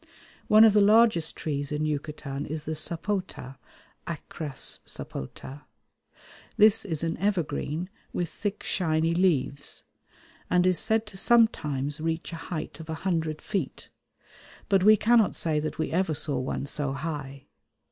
One of the largest trees in Yucatan is the sapota (Achras sapota). This is an evergreen with thick shiny leaves, and is said to sometimes reach a height of a hundred feet, but we cannot say that we ever saw one so high.